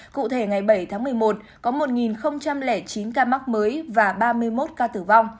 cụ thể ngày bảy tháng một mươi một có một chín ca mắc mới và ba mươi một ca tử vong